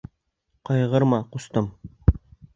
Ҡайғырма, ҡустым!